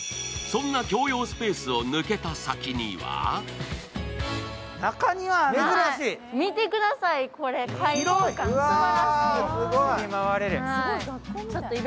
そんな共用スペースを抜けた先には見てください、これ、開放感すばらしい。